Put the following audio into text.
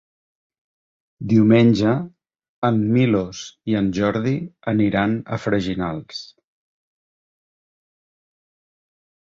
Diumenge en Milos i en Jordi aniran a Freginals.